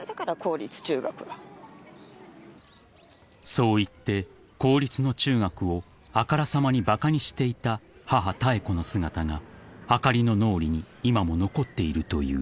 ［そう言って公立の中学をあからさまにバカにしていた母妙子の姿があかりの脳裏に今も残っているという］